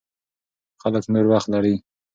خلک نور وخت لري.